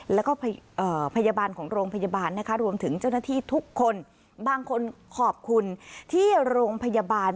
แล้วก็พยาบาลของโรงพยาบาลนะคะรวมถึงเจ้าหน้าที่ทุกคนบางคนขอบคุณที่โรงพยาบาล